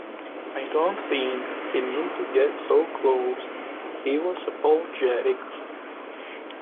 I don't think he meant to get so close and he was apologetic.